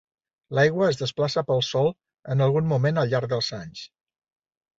L'aigua es desplaça pel sòl en algun moment al llarg dels anys.